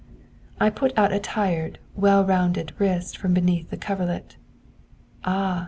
'I put out a tired, well rounded wrist from beneath the coverlet. "Ah!"